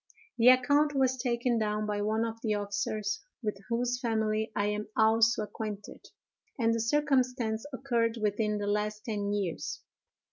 The account was taken down by one of the officers, with whose family I am also acquainted; and the circumstance occurred within the last ten years.